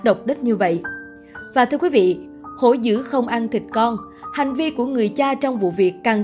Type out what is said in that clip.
độc đất như vậy và thưa quý vị hổ giữ không ăn thịt con hành vi của người cha trong vụ việc càng